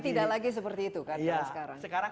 tapi tidak lagi seperti itu kan sekarang